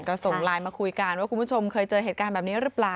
ก็ส่งไลน์มาคุยกันว่าคุณผู้ชมเคยเจอเหตุการณ์แบบนี้หรือเปล่า